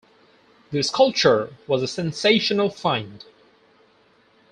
The sculpture was a sensational find.